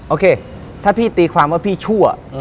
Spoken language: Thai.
โอเคถ้าพี่ตีความว่าพี่ชั่ว